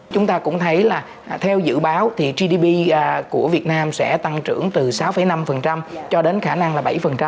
chúng ta cũng thấy là theo dự báo thì gdp của việt nam sẽ tăng trưởng từ sáu năm cho đến khả năng là bảy